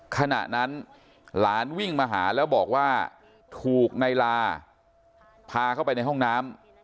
ขณะนั้นหลานวิ่งมาหาแล้วบอกว่าถูกในลาพาเข้าไปในห้องน้ำ